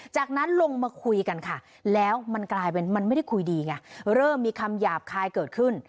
จากนั้นลงมาคุยกันค่ะแล้วมันกลายเป็นมันไม่ได้คุยดีไงเริ่มมีคำหยาบคายเกิดขึ้น